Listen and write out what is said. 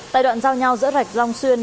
tại đoạn giao nhau giữa rạch long xuyên